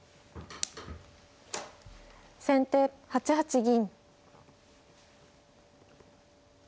先手８八銀。